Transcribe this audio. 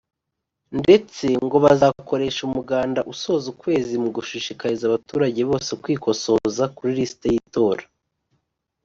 ndetse ngo bazakoresha Umuganda usoza ukwezi mu gushishikariza abaturage bose kwikosoza kuri lisiti y’itora